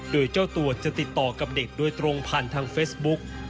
โดยเจ้าตัวจะติดต่อกับเด็กโดยตรงผ่านทางเฟซบุ๊ก